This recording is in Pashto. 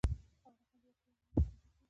افغانستان له وحشي حیواناتو څخه ډک هېواد دی.